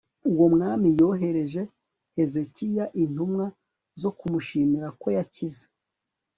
uwo mwami yoherereje hezekiya intumwa zo kumushimira ko yakize